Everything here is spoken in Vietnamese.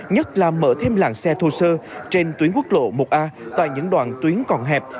nhất là mở thêm làng xe thô sơ trên tuyến quốc lộ một a tại những đoạn tuyến còn hẹp